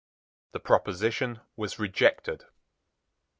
The proposition was rejected.